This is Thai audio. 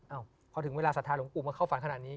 เพราะถึงเวลาสัทธาหลงปุ๊บมาเข้าฝันขนาดนี้